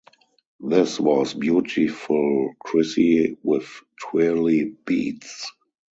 This was "Beautiful Crissy with Twirly Beads".